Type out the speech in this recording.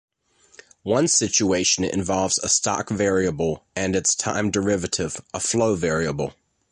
One situation involves a stock variable and its time derivative, a flow variable.